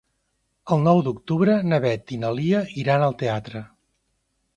El nou d'octubre na Beth i na Lia iran al teatre.